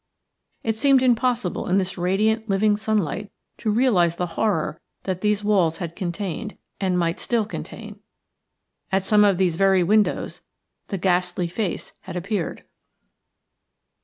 It seemed impossible in this radiant, living sunlight to realize the horror that these walls had contained, and might still contain. At some of these very windows the ghastly face had appeared.